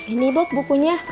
ini bob bukunya